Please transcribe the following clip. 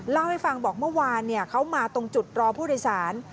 เล่าให้ฟังบอกเมื่อวานเขามาตรงจุดรอผู้โดยสาร